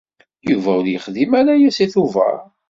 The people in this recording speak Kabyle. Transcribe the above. Yuba ur yexdim ara aya seg Tubeṛ.